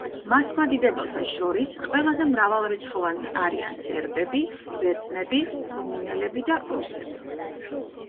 მართლმადიდებელთა შორის ყველაზე მრავალრიცხოვანნი არიან სერბები, ბერძნები, რუმინელები და რუსები.